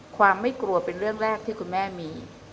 ความไม่กลัวเป็นเรื่องแรกที่คุณแม่มี